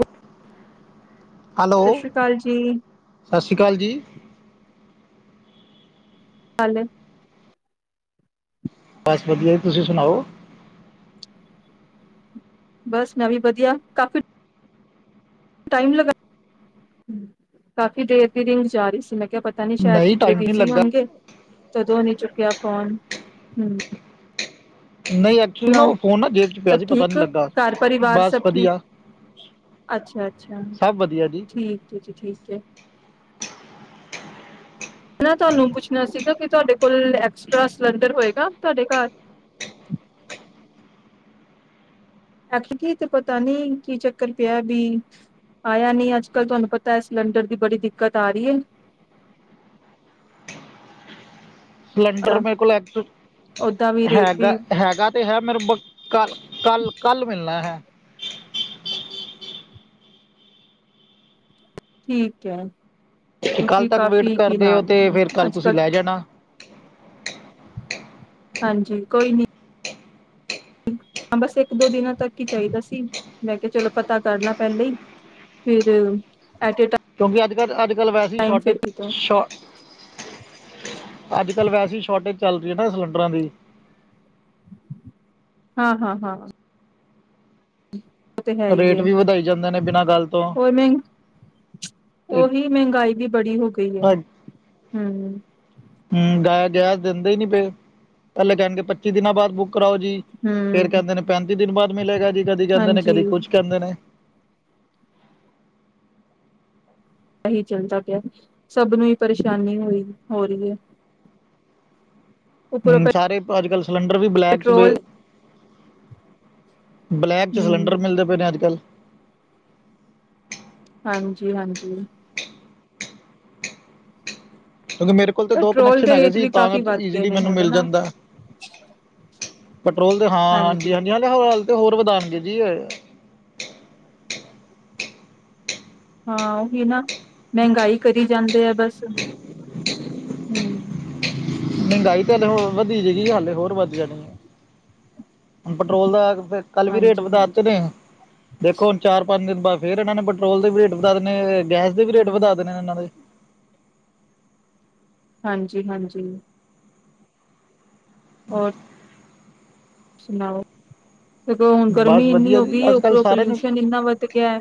ਹੑ hello ਸਤਿ ਸ਼੍ਰੀ ਅਕਾਲ ਜੀ ਹਾਲੇ ਬਸ ਵਧੀਆ ਜੀ ਤੁਸੀਂ ਸੁਣਾਓ ਬਸ ਨਵੀਂ ਵਧੀਆ ਕਾਫੀ ਟਾਈਮ ਲਗਾ ਕਾਫੀ ਦੇਰ ਰਿੰਗ ਜਾ ਰਹੀ ਸੀ ਮੈਂ ਕਿਹਾ ਸ਼ਾਇਦ ਨਹੀਂ ਕਿਤਰੇ ਟਾਈਮ ਨਹੀਂ ਬਿਜ਼ੀ ਲੱਗਾ ਹੋਣਗੇ ਤਦੋਂ ਨੀ ਚੁੱਕਿਆ ਫੋਨ ਹੰਮ ਨਹੀਂ ਐਕਚੁਅਲੀ ਨਾ ਸਨਾਓ ਉਹ ਫੋਨ ਨਾ ਜੇਬ 'ਚ ਪਿਆ ਸਭ ਸੀ ਪਤਾ ਨਹੀਂ ਠੀਕ ਲੱਗਾ ਕਾਰ ਪਰਿਵਾਰ ਬਸ ਸਭ ਠੀਕ ਵਧੀਆ ਅੱਛਾ ਅੱਛਾ ਸਭ ਵਧੀਆ ਜੀ ਠੀਕ ਹ ਨਾ ਤੁਹਾਨੂੰ ਪੁੱਛਣਾ ਸੀਗਾ ਕਿ ਤੁਹਾਡੇ ਕੋਲ ਐਕਸਟਰਾ ਸਲੰਡਰ ਹੋਏਗਾ ਤੁਹਾਡੇ ਘਰ ਕੀ ਤੇ ਪਤਾ ਨਹੀਂ ਕੀ ਚੱਕਰ ਪਿਆ ਵੀ ਆਇਆ ਨਹੀਂ ਅੱਜ ਕੱਲ ਤੁਹਾਨੂੰ ਪਤਾ ਸਿਲੰਡਰ ਦੀ ਬੜੀ ਦਿੱਕਤ ਆ ਰਹੀ ਹ। ਸਿਲੰਡਰ ਮੇਰੇ ਕੋਲ ਓਦਾਂ ਵੀ ਰੇਟ ਵੀ ਹੈਗਾ ਤੇ ਹੈ ਮੇਰੇ ਕਲ ਕੱਲ ਕੱਲ ਮਿਲਣਾ ਹੈ [inaudible] ਠੀਕ ਹੈ ਕੱਲ ਕਿਉਂਕਿ ਤੱਕ ਵੇਟ ਕਾਫੀ ਕੀ ਕਰਦੇ ਹੋ ਨਾਮ ਏ ਤੇ ਫਿਰ ਕੱਲ ਅੱਜ ਤੁਸੀਂ ਲੈ ਜਾਣਾ ਹਾਂਜੀ ਕੋਈ ਨਹੀਂ ਬਸ ਇੱਕ ਦੋ ਦਿਨਾਂ ਤੱਕ ਹੀ ਚਾਹੀਦਾ ਸੀ ਲੈ ਕੇ ਚਲੋ ਪਤਾ ਕਰਲਾ ਪਹਿਲੇ ਫਿਰ ਐਟ ਵੀ ਅੱਜ ਕਲ ਅੱਜ ਚਲ ਵੈਸੇ ਹੀ ਟਾਈਮ ਸ਼ੋਰਟ ਫਿਰ ਕਿਤੋਂ ਅੱਜ ਕੱਲ ਵੈਸੇ ਸ਼ੋਟੇਜ ਸਲੰਡਰਾਂ ਦੀ ਹਾਂ ਹਾਂ ਹਾਂ [inaudible] ਤੇ ਹੈ ਹੀ ਰੇਟ ਹ ਵੀ ਵਧਾਈ ਜਾਂਦੇ ਨੇ ਬਿਨਾਂ ਗੱਲ ਤੋਂ ਓਏ ਮੈ ਤੇ ਉਹੀ ਮਹਿੰਗਾਈ ਵੀ ਬੜੀ ਹੋ ਗਈ ਹੈ ਅ ਹਮ ਗੈ ਗੈਸ ਦਿੰਦੇ ਹੀ ਨਹੀਂ ਪਏ ਪਹਿਲੇ ਕਹਿਣਗੇ ਪਚੀ ਦਿਨਾਂ ਬਾਅਦ ਬੁਕ ਭਰਾਓ ਜੀ ਫਿਰ ਹਮ ਕਹਿੰਦੇ ਨੇ ਪੈਣਤੀ ਦਿਨ ਬਾਅਦ ਮਿਲੇਗਾ ਜੀ ਕਦੀ ਕਹਿੰਦੇ ਨੇ ਹਾਂਜੀ ਕਦੀ ਕੁਝ ਕਹਿੰਦੇ ਨੇ ਇਹ ਚਲਦਾ ਪਿਆ ਸਭ ਨੂੰ ਹੀ ਪਰੇਸ਼ਾਨੀ ਹੋਈ ਹੋ ਰਹੀ ਉੱਪਰੋਂ ਸਾਰੇ ਅੱਜਕਲ ਸਲੰਡਰ ਵੀ ਬਲੈਕ ਚ ਪੈਟਰੋਲ ਬਲੈਕ ਚ ਸਿਲੰਡਰ ਹਮ ਮਿਲਦੇ ਪਏ ਨੇ ਅੱਜ ਕੱਲ ਜੀ ਹਾਂਜੀ ਹਾਂਜੀ ਕਿਉਂਕਿ ਮੇਰੇ ਕੋਲ ਤੇ ਦੋ ਪੈਟਰੋਲ ਕਨਕਸ਼ਨ ਦੇ ਹੈਗੇ ਰੇਟ ਸੀ ਵੀ ਤਾਂ ਕਾਫ਼ੀ ਵੱਧ ਗਏ ਈਜ਼ੀਲੀ ਨੇ ਮੈਨੂੰ ਹੁਣ ਮਿਲ ਨਾ ਜਾਂਦਾ ਕੰਟਰੋਲ ਤੇ ਹਾਂ ਹਾਂਜੀ ਹਾਂਜੀ ਹੋਰ ਵਧਾਣਗੇ ਜੀ ਓਏ ਹਾਂ ਉਹ ਵੀ ਨਾ ਮਹਿੰਗਾਈ ਕਰੀ ਜਾਂਦੇ ਆ ਬਸ ਮਹਿੰਗਾਈ ਤੇ ਹਲੇੇ ਹੋ ਵਧੀ ਜਗੀ ਹਾਲੇ ਹੋਰ ਵਧੀਆ ਨਹੀਂ ਹੁਣ ਪੈਟਰੋਲ ਦਾ ਫ ਕੱਲ ਵੀ ਰੇਟ ਹਾਂਜੀ ਵਧਾਤੇ ਹਾਂਜੀ ਨੇ ਦੇਖੋ ਹੁਣ ਚਾਰ ਪੰਜ ਦਿਨ ਬਾਅਦ ਫੇਿਰ ਇਹਨਾਂ ਨੇ ਪੈਟਰੋਲ ਦੇ ਵੀ ਰੇਟ ਵਧਾ ਦੇਣੇ ਗੈਸ ਦੇ ਵੀ ਰੇਟ ਵਧਾ ਦੇਣੇ ਇਹਨਾਂ ਦੇ ਹਾਂਜੀ ਹਾਂਜੀ ਹੋਰ ਸੁਣਾਓ ਦੇਖੋ ਹੁਣ ਬਸ ਗਰਮੀ ਇੰਨੀ ਵਧੀਆ ਹੋ ਜੀ ਗਈ ਅੱਜ ਕੱਲ੍ਹ ਉਪਰੋਂ ਸਾਰਿਆਂ ਨੂੰ ਪੋਲਿਊਸ਼ਨ ਇੰਨਾ ਵੱਧ ਗਿਆ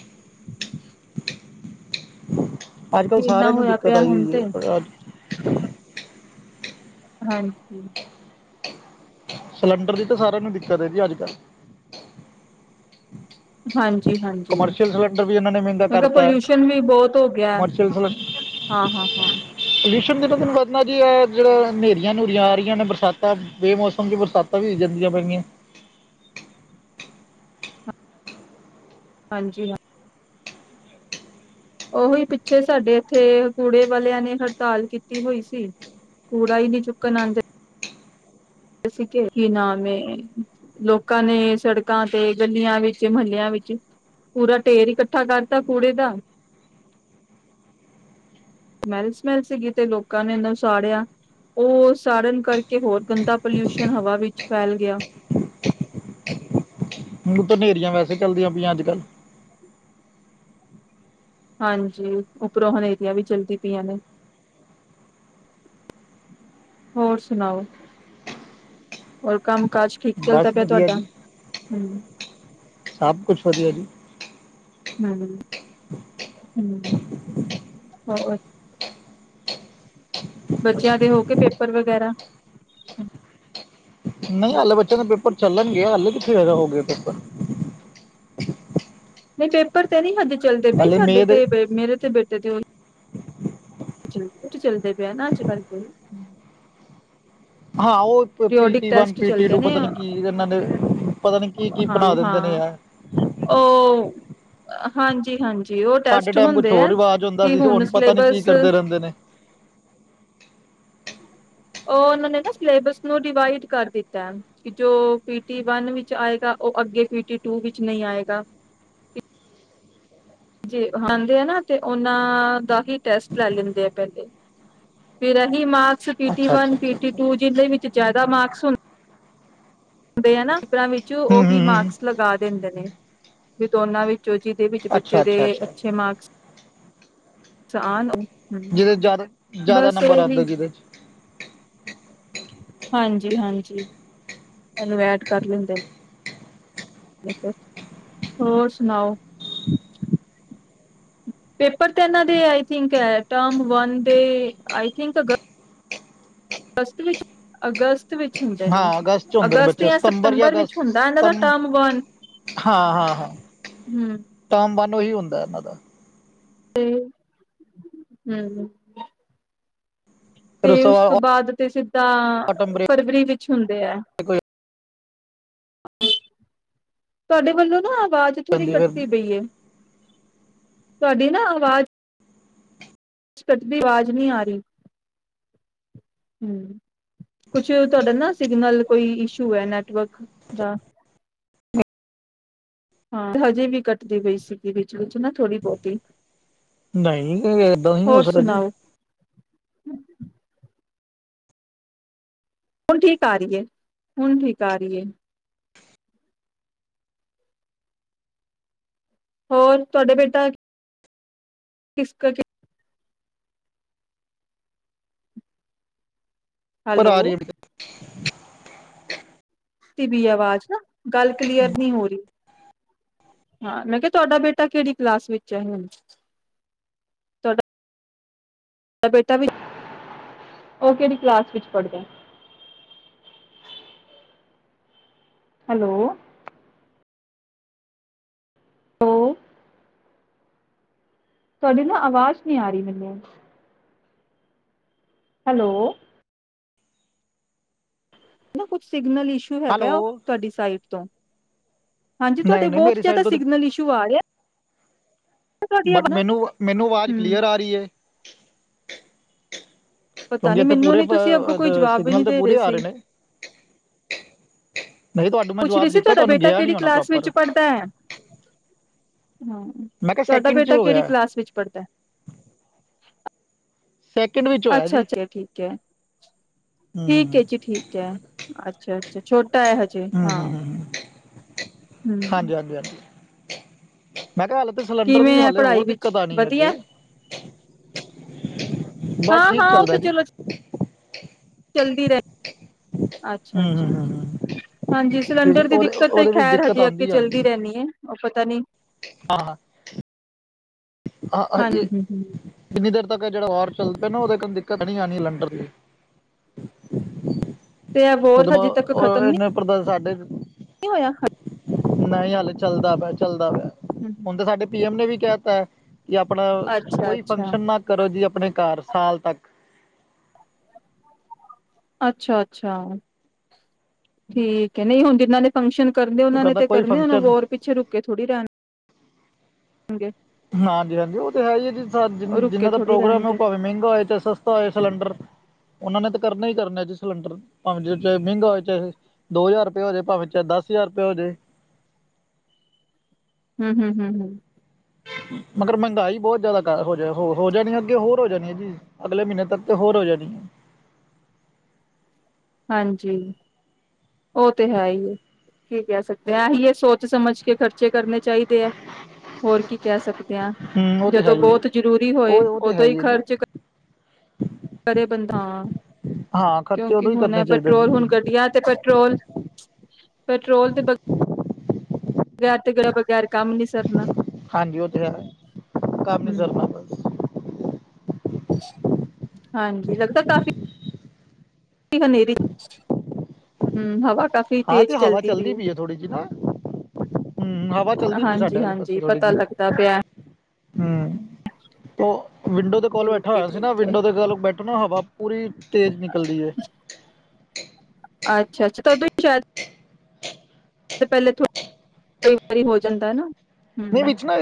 [inaudible] ਅੱਜ ਕੱਲ੍ਹ ਇੰਨਾ ਸਾਰਿਆਂ ਨੂੰ ਹੋਇਆ ਦਿੱਕਤ ਪਿਆ ਆਈ ਹੁਣ ਤੇ ਹੋ ਹੈ [inaudible] ਹਾਂਜੀ ਸਿਲੰਡਰ ਦੀ ਤਾਂ ਸਾਰਿਆਂ ਨੂੰ ਦਿੱਕਤ ਹੈਦੀ ਅੱਜ ਕੱਲ ਹਾਂਜੀ ਜੀ ਹਾਂਜੀ ਇਹਨਾਂ ਨੇ ਮਹਿੰਗਾ ਮੇ ਕਿਹਾ ਕਰਤਾ ਪੋਲਿਊਸ਼ਨ ਵੀ ਬਹੁਤ ਹੋ ਗਿਆ ਕਮਰਸ਼ੀਅਲ ਹਾਂ ਹਾਂ ਹਾਂ ਦਿਨੋ ਤਨ ਵਧਣਾ ਜੀ ਆ ਜਿਹੜਾ ਹਨੇਰੀਆਂ ਨੂਰੀਆਂ ਆ ਰਹੀਆਂ ਨੇ ਬਰਸਾਤਾਂ ਬੇਮੌਸਮ ਚ ਬਰਸਾਤਾਂ ਵੀ ਹੋ ਜਾਂਦੀਆਂ ਪੈਗਆਂ ਹਾਂਜੀ ਹਾਂ ਉਹੀ ਪਿੱਛੇ ਸਾਡੇ ਇੱਥੇ ਕੂੜੇ ਵਾਲਿਆਂ ਨੇ ਹੜਤਾਲ ਕੀਤੀ ਹੋਈ ਸੀ ਕੂੜਾ ਹੀ ਨਹੀਂੀ ਚੁੱਕਣ ਆਉਂਦਾ ਅਸੀ ਕੀ ਨਾਮੈਂ ਲੋਕਾਂ ਨੇ ਸੜਕਾਂ ਤੇ ਗਲੀਆਂ ਵਿੱਚ ਮਹੱਲਿਆਂ ਵਿੱਚ ਪੂਰਾ ਢੇਰ ਇਕੱਠਾ ਕਰਤਾ ਕੂੜੇ ਦਾ ਸਮੈਲ ਸਮੈਲ ਸੀਗੀ ਤੇ ਲੋਕਾਂ ਨੇ ਇਹਨ ਸਾੜਿਆ ਉਹ ਸਾੜਨ ਕਰਕੇ ਹੋਰ ਗੰਦਾ ਪੋਲਿਊਸ਼ਨ ਹਵਾ ਵਿੱਚ ਫੈਲ ਗਿਆ ਤਾਂ ਹਨੇਰੀਆਂ ਵੈਸੇ ਚੱਲਦੀਆਂ ਪਈਆਂ ਅੱਜ ਕੱਲ ਹਾਂਜੀ ਉੱਪਰੋਂ ਹਨੇਰੀਆਂ ਵੀ ਚਲਦੀ ਪਈਆਂ ਨੇ ਹੋਰ ਸੁਣਾਓ ਹੋਰ ਕੰਮ ਕਾਜ ਠੀਕ ਬਸ ਚੱਲਦਾ ਪਿਆ ਵਧੀਆ ਤੁਹਾਡਾ ਜੀ ਹੂੰ ਸਭ ਕੁਛ ਵਧੀਆ ਜੀ ਹੂੰ ਹੋ ਬੱਚਿਆਂ ਦੇ ਹੋ ਕੇ ਪੇਪਰ ਵਗੈਰਾ ਨਹੀਂ ਹਲੇੇ ਬੱਚਿਆਂ ਦੇ ਪੇਪਰ ਚੱਲਣਗੇ ਹਲੇੇ ਵੀ ਫਿਰ ਹੋਗੇ ਪੇਪਰ ਨਹੀਂ ਪੇਪਰ ਤੇ ਨਹੀਂ ਹਜ ਚੱਲਦੇ ਬਈ ਹਾਲੇ ਸਾਡੇ ਮੇ ਦੇ ਤੇ ਮੇਰੇ ਤੇ ਬੇਟੇ ਤੇ ਚੱਲਦੇ ਪਿਆ ਨਾ ਅੱਜ ਕੱਲ ਹਾਂ ਉਹ periodic PT one test PT ਚੱਲਦੇ ਟੂ ਨੇ ਪਤਾ ਨੀ ਕੀ ਇਹਨਾਂ ਨੇ ਪਤਾ ਨੀ ਕੀ ਕੀ ਹਾਂ ਅਣਾ ਦਿੰਦੇ ਹਾਂ ਨੇ ਆ ਹਾਂਜੀ ਹਾਂਜੀ ਸਾਡੇ ਟਾਈਮ ਕੁਛ ਹੋਰ ਰਿਵਾਜ਼ ਹੁੰਦਾ ਸੀ ਹੁਣ ਉਹਨੂੰ ਪਤਾ ਨੀ ਕੀ ਸਿਲੇਬਸ ਕਰਦੇ ਉਹ ਰਹਿੰਦੇ ਨੇ ਉਹਓ ਨੇ ਨਾ ਸਿਲੇਬਸ ਨੂੰ ਡਿਵਾਈਡ ਕਰ ਦਿੱਤਾ ਕਿ ਜੋ ਪੀਟੀ ਵਨ ਵਿਚ ਆਏਗਾ ਉਹ ਅਗੇ ਪੀਟੀ ਟੂ ਵਿਚ ਨ ਆਏਗਾ ਜੇ ਆਦੇ ਆ ਨਾ ਤੇ ਉਹਨਾ ਦਾ ਹੀ ਟੈਸਟ ਲੈ ਲੈਂਦੇ ਆ ਪਹਿਲੇ ਫਿਰ ਅਸੀ ਮਾ ਪੀਟੀ ਅੱਛਾ ਵਨ ਅੱਛਾ ਪੀ ਅੱਛਾ ਟੀ ਅੱਛਾ। ਟੂ ਜਿਹਦੇ ਵਿੱਚ ਜਿਆਦਾ ਮਾਰਕਸ ਹੁੰਦਾ ਦੇ ਹੈ ਨਾ ਪਰਾਂ ਵਿੱਚ ਹੂੰ ਉਹੀ ਹੂੰ ਹੂੰ ਮਾਕਸ ਲਗਾ ਦਿੰਦੇ ਨੇ ਵੀ ਦੋਨਾ ਵਿੱਚ ੋ ਜਿਹਦੇ ਵਿੱਚ ਅੱਛਾ ਬੱਚੇ ਦੇ ਅੱਛਾ ਅੱਛਾ ਅੱਛੇ ਮਾਰਕਸ ਸਾਨ ਜਿਹਦੇ ਜਿਆਦਾ ਜਿਆਦਾ ਨੰਬਰ ਆਉਂਦਾ ਜਿਹਦੇ ਚ ਹਾਂਜੀ ਹਾਂਜੀ ਇਹਨੂੰ ਐਡ ਕਰ ਲੈਂਦੇ ਹੋਰ ਸੁਣਾਓ ਪੇਪਰ ਤੇ ਇਹਨਾਂ ਦੇ ਆਈਥਿੰਕ ਹੈ ਟਮ ਵਨ ਦੇ ਆਈ ਥਿੰਕ ਅਗਸਤ ਵਿੱਚ ਅਗਸਤ ਵਿੱਚ ਹੁੰਦੇ ਨੇ ਹਾਂ ਅਗਸਤ ਹੁੰਦੇ ਨੇ ਬੇ ਸਤੰਬਰ ਜਾਂ ਵਿੱਚ ਅਗਸਤ ਸ ਹੁੰਦਾ ਇਹਨਾਂ ਦਾ ਟਰਮ ਵਨ ਹਾਂ ਹਾਂ ਹਮ ਹਾਂ ਹੀ ਹੁੰਦਾ ਇਹਨਾਂ ਦਾ ਤੇ ਹਮ ਤੇ ਉਸ ਤੋਂ ਬਾਅਦ ਤੇ ਸਿੱਧਾ ਆਟਮ ਬ੍ਰੇਕ ਫਰਵਰੀ ਵਿੱਚ ਹੁੰਦੇ ਆ ਹੋ ਤੁਹਾਡੇ ਵੱਲੋਂ ਨਾ ਆਵਾਜ਼ ਥੋੜ੍ਹੀ ਜਾਂਦੀ ਫਿਰ ਕੱਟਦੀ ਪਈ ਤੁਹਾਡੀ ਨਾ ਆਵਾਜ਼ ਅਵਾਜ਼ ਨ ਆ ਰਹੀ ਹਮ ਕੁਛ ਤੁਹਾਡਾ ਨਾ ਸਿਗਨਲ ਕੋਈ ਇਸ਼ੂ ਹੈ ਨੈਟਵਰਕ ਦਾ ਤੇ ਹਜੇ ਵੀ ਕੱਟਦੀ ਪਈ ਸੀਗੀ ਵਿਚ ਵਿਚ ਨਾ ਥੋੜੀ ਬਹੁਤੀ ਨਹੀਂ ਏਦਾਂ ਹੀ ਹੋਸਦਾ ਜੀ ਹਮ ਹੁਣ ਠੀਕ ਆ ਰਹੀ ਹੈ ਹੁਣ ਠੀਕ ਆ ਰਹੀ ਹੈ ਹੋਰ ਤੁਹਾਡੇ ਬੇਟਾ ਕਿਸ ਪਰ ਹੈਲੋ ਆ ਰਹੀ ਹੈ ਬ ਇੱਕ ਤ ਵੀੀ ਆਵਾਜ਼ ਨਾ ਗੱਲ ਕਲੀਅਰ ਨਹੀਂ ਹੋ ਰਹੀ ਹਾਂ ਮੈਂ ਕਿਹਾ ਤੁਹਾਡਾ ਬੇਟਾ ਕਿਹੜੀ ਕਲਾਸ ਵਿੱਚ ਹੈ ਹੁਣ ਤੁਹਾਡਾ ਬੇਟਾ ਵੀ ਉਹ ਕਿਹੜੀ ਕਲਾਸ ਵਿੱਚ ਪੜ੍ਹਦਾ ਹੈਲੋ ਹੋ ਤੁਹਾਡੀ ਨਾ ਆਵਾਜ਼ ਨਹੀਂੀ ਆ ਰਹੀ ਮੈਨੂੰ ਹੈਲੋ ਨਾ ਕੁੱਛ ਸੀ ਨਾਲ ਇਸ਼ੂ ਹੈਗਾ ਹੈਲੋ ਉਹ ਤੁਹਾਡੀ ਸਾਈਟ ਤੋਂ ਹਾਂਜੀ ਤੁਹਾਡੇ ਨਹੀਂ ਨਹੀਂ ਬਹੁਤ ਮੇਰੀ ਜਿਆਦਾ ਸਾਈਡ ਤੋਂ ਸਿਗਨਲ ਇਸ਼ੂ ਆ ਰਿਹਾ ਤੁਹਾਡੀ ਬਟ ਆਵਾਜ਼ ਨਾ। ਮੈਨੂੰ ਮੈਨੂੰ ਆਵਾਜ਼ ਹੂੰ ਕਲੀਅਰ ਆ ਰਹੀ ਹੈ ਪਤਾ ਕਿਉਂਕਿ ਨੀ ਇੱਥੇ ਮੈਨੂੰ ਪੂਰੇ ਨੀ ਤੁਸੀਂ ਅੱਗੋਂ ਕੋਈ ਜਵਾਬ ਵੀ ਨੀ ਸਿਗਨਲ ਤੇ ਦੇ ਰਹੇ ਪੂਰੇ ਆ ਸੀ ਨੇ ਨਹੀਂ ਤੁਹਾਨੂੰ ਮੈਂ ਪੁੱਛ ਜਵਾਬ ਰਹੀ ਸੀ ਦਿੱਤਾ ਤੁਹਾਡਾ ਤੁਹਾਨੂੰ ਬੇਟਾ ਗਿਆ ਕਿਹੜੀ ਨਹੀਂ ਹੋਣਾ ਕਲਾਸ ਵਿਚ ਪ੍ਰੋਪਰ ਪੜ੍ਹਦਾ ਹੈ ਹਾਂ ਮੈਂ ਕਿਹਾ ਤੁਹਾਡਾ ਸੈਕਿੰਡ ਚ ਬੇਟਾ ਹੋ ਕਿਹੜੀ ਗਿਆ ਕਲਾਸ ਵਿੱਚ ਪੜ੍ਹਦਾ ਸੈਕਿੰਡ ਵਿੱਚ ਹੋਇਆ ਅੱਛਾ ਅੱਛਾ ਜੀ ਠੀਕ ਹੈ ਹੂੰ ਠੀਕ ਹੈ ਜੀ ਠੀਕ ਹੈ ਅੱਛਾੱਾਛਟ ਟ ਹਜੇ ਹੂੰ ਹਾਂ ਹੂੰ ਹੂੰ ਹਮ ਹਾਂਜੀ ਹਾਂਜੀ ਹਾਂਜੀ ਮੈਂ ਕਿਹਾ ਹਾਲ ਤੇ ਸਿਲੰਡਰ ਦੀ ਕਿਵੇਂ ਹੈ ਹਾਲੇ ਹੋਰ ਪੜ੍ਹਾਈ ਵਿੱਚ ਦਿੱਕਤ ਆਣੀ ਅੱਗੇ ਵਧੀਆ ਹ ਹਾਂ ਹਾਂ ਉਹ ਤੇ ਚਲੋ ਚਲਦੀ ਰਹੇ ਅੱਛਾ ਹੂੰ ਹੂੰ ਅੱਛਾ ਹੂੰ ਹੂੰ ਹਾਂਜੀ ਕਿਉਂਕਿ ਸਿਲੰਡਰ ਦੀ ਉਹਦੇ ਦਿੱਕਤ ਤਾਂ ਉਹਦੇ ਵਿੱਚ ਖੈਰ ਦਿੱਕਤ ਹਜੀ ਅੱਗੇ ਚੱਲਦੀ ਰਹਦੀ ਹੈ ਉਹ ਪਤਾ ਨ ਆਹ ਹਾਂ ਆ ਹਾਂ ਕਿੰਨੀ ਦੇਰ ਤ ਜਿਹੜਾ ਵਾਰ ਚੱਲਦਾ ਨਾ ਉਹਦੇ ਦਿੱਕਤ ਨੀ ਆਣੀ ਸਲੰਡਰ ਦੀ ਤੇ ਇਹ ਵੋਰ ਹਜੇ ਤੱਕ ਖ਼ਤਮ ਨੀ ਉਹਨੇ [unintelligible] ਸਾਡੇ ਹੋਇਆ ਨਹੀਂ ਹੱਲ ਚੱਲਦਾ ਪਿਆ ਚੱਲਦਾ ਪਿਆ ਹੁਣ ਤੇ ਸਾਡੇ ਪੀ ਐਮ ਨੇ ਵੀ, ਕਹਿ ਤਾ, ਕਿ ਆਪਣਾ ਅੱਛਾ ਕੋਈ ਅੱਛਾ ਫੰਕਸ਼ਨ ਨਾ ਕਰੋ, ਜੀ ਆਪਣੇ ਘਰ ਸਾਲ ਤੱਕ, ਅੱਛਾ-ਅੱਛਾ, ਠੀਕ ਹੈ ਨਹੀਂ ਹੁਣ ਜਿੰਨਾਂ ਨੇ ਫੰਕਸ਼ਨ ਕਰਦੇ ਉਹ ਉਹਨਾਂ ਨੇ ਕਹਿੰਦਾ ਤੇ ਕੋਈ ਕਰਨੇ ਉਹ ਫੰਕਸ਼ਨ ਵੋਰ ਪਿੱਛੇ ਰੁਕੇ ਥੋੜੀ ਰਹਿ ਹਾਂਜੀ, ਹਾਂਜੀ-ਹਾਂਜੀ ਉਹ ਤਾਂ ਹੈ ਹੀ ਹੈ, ਜੀ ਉਹ ਰੁਕ ਕੇ ਜਿਨਾਂ ਦਾ ਥੋੜ੍ਹੀ ਪ੍ਰੋਗਰਾਮ ਹੈ, ਉਹ ਰਹਿਣਗੇ ਭਾਵੇਂ ਮਹਿੰਗਾ ਹੋਏ ਚ ਸਸਤਾ ਹੋਏ ਸਿਲੰਡਰ ਉਹਨਾਂ ਨੇ ਕਰਨਾ ਹੀ ਕਰਨਾ ਐ ਜੀ ਸਿਲੰਡਰ ਭਾਵੇਂ ਜੇ ਚਾਹੇ ਮਹਿੰਗਾ ਹੋ ਚਾਹੇ ਦੋ ਹਜ਼ਾਰ ਰੁਪਇਆ ਹੋ ਜਾਵੇ, ਭਾਵੇਂ ਚਾਹੇ ਦਸ ਹਜ਼ਾਰ ਰੁਪਆ ਹੋਜੇ। ਹੂੰ-ਹੂੰ-ਹੂੰ-ਹੂੰ, ਮਗਰ ਮਹਿੰਗਾਈ ਬਹੁਤ ਜ਼ਿਆਦਾ ਹੋ ਜਾ ਹੋ ਹੋ ਜਾਣੀ ਅੱਗੇ ਹੋਰ ਹੋ ਜਾਣੀ ਹੈ, ਜੀ ਅਗਲੇ ਮਹੀਨੇ ਤੱਕ ਤੇ ਹੋਰ ਹੋ ਜਾਣੀ ਹੈ। ਹਾਂਜੀ ਉਹ ਤੇ ਹੈ ਹੀ ਹੈ ਕੀ ਕਹਿ ਸਕਦੇ ਹਾ, ਐਹੀ ਇਹ ਸੋਚ ਸਮਝ ਕੇ ਖਰਚੇ ਕਰਨੇ ਚਾਹੀਦੇ ਹੈ ਹੋਰ ਕੀ ਕਹਿ ਸਕਦੇ ਆ। ਹੂੰ ਉਹ ਤੇ ਹੈ ਜਦੋਂ ਹੀ ਹੈ ਬਹੁਤ ਜਰੂਰੀ ਹੋਏ ਉਹ ਉਹ ਤੇ ਉਦੋਂ ਹੈ ਹੀ ਹੈ ਜੀ ਉਹ ਤੇ ਖਰਚ ਕਰੇ ਬੰਦਾ ਹਾਂ ਖਰਚੇ ਕਿਉਂਕਿ ਉਦੋਂ ਹੀ ਹੁਣ ਕਰਨੇ ਚਾਹੀਦੇ ਜੀ ਪੈਟਰੋਲ ਜੀ ਹੁਣ ਘਟੀਆ ਤੇ ਪੈਟਰੋਲ ਪੈਟਰੋਲ ਦੇ, ਬਗੈਰ ਤੇ ਗੈਰ ਬਗੈਰ ਕੰਮ ਨੀ ਸਰਨਾ। ਹਾਂਜੀ ਉਹ ਤੇ ਹੈ, ਕੰਮ ਨੀ ਹੂੰ ਚੱਲਨਾ ਬਸ, ਹਾਂਜੀ ਲੱਗਦਾ ਕਾਫੀ, ਹਨੇਰੀ ਹੂੰ ਹਵਾ, ਕਾਫ਼ੀ ਹਾਂ ਤੇਜ਼ ਤੇ ਹਵਾ ਚਲਦੀ ਚੱਲਦੀ ਪਈ ਆ ਥੋੜੀ ਜੀ ਹੂੰ ਹਵਾ ਹੈ ਚੱਲਦੀ ਪਈ ਸਾਡੇ ਹਾਂਜੀ ਆਲੇ ਹਾਂਜੀ ਪਾਸੇ ਥੋੜੀ ਪਤਾ ਜੀ ਲੱਗਦਾ ਪਿਆ ਹੂੰ, ਤੇ ਔ ਵਿੰਡੋ ਦੇ ਕੋਲ ਠੀਕ ਬੈਠਾ ਹੈ ਹੋਇਆ ਸੀ, ਨਾ ਠੀਕ ਹੈ ਵਿੰਡੋ ਦੇ ਕੋਲ ਬੈਠੋ ਨਾ ਹਵਾ ਪੂਰੀ ਤੇਜ਼ ਨਿਕਲਦੀ ਹੈ। ਅੱਛਾ-ਅੱਛਾ ਤਾਂਦੋਂ ਹੀ ਸ਼ਾਇਦ, ਪਹਿਲੇ ਕਈ ਵਾਰੀ ਹੋ ਜਾਂਦਾ ਨਾ, ਨਹੀਂ ਹਮ ਵਿੱਚ ਨਾ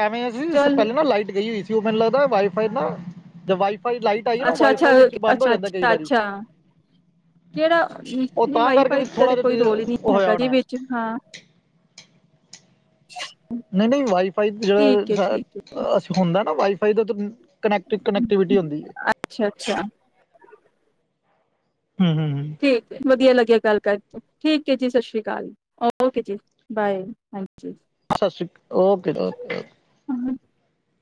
ਐਵੇਂ ਆ ਸੀਸ ਚੱਲ ਪੈਲੇ ਨਾ ਲਾਈਟ ਗਈ ਹੋਈ ਸੀ ਔ ਮੈਨੂੰ ਲੱਗਦਾ। ਵਾਈ ਫਾਈ ਨਾ ਜਦ ਵਾਈਫਾਈ ਲਾਈਟ ਆਈ ਹੈ ਨਾ ਵਾਈਫਾਈ ਵਿੱਚ ਬੰਦ ਹੋ ਜਾਂਦਾ ਕਈ ਵਾਰੀ ਅੱਛਾ-ਅੱਛਾ-ਅੱਛਾ-ਅੱਛਾ-ਅੱਛਾ, ਕੇੜਾ ਉਹ ਨੀ ਤਾਂ ਕਰਕੇ ਵਾਈਫਾਈ ਵੀ ਦਾ ਥੋੜ੍ਹਾ ਤੇ ਕੋਈ ਜਿਹਾ ਰੋਲ ਹੀ ਉਹ ਨ੍ਹੀਂ ਹੋਇਆ ਹੈਗਾ ਜੀ ਹੋਣਾ ਵਿਚ, ਹਾਂ। ਨਹੀਂ-ਨਹੀਂ, ਵਾਈਫਾਈ ਜੇੜਾ ਠੀਕ ਹੈ ਸ ਠੀਕ ਹੈ ਅਸ ਹੁੰਦੈ ਵਾਈਫਾਈ ਦਾ ਤਅ ਕਨੈਕਟ ਕਨੈਕਟੀਵਿਟੀ ਹੁੰਦੀ ਏ। ਅੱਛਾ ਅੱਛਾ ਠੀਕ ਏ ਵਧੀਆ ਲੱਗਿਆ। ਗੱਲ ਕਰਕੇ, ਠੀਕ ਐ ਜੀ ਸਤ ਸ਼੍ਰੀ ਅਕਾਲ, ਓਕੇ ਜੀ, ਬਾਏ ਹਾਂਜ ਸਤ ਸ਼੍ਰੀ ਓਕੇ ਓਕੇ ਓ